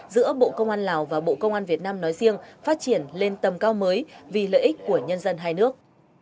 giữa bộ công an lào và bộ công an việt nam nói riêng phát triển lên tầm cao mới vì lợi ích của nhân dân hai nước